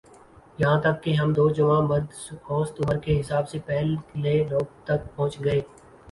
یہاں تک کہہ ہم دو جواںمرد اوسط عمر کے حساب سے پہل لے لوگ تک پہنچ گئے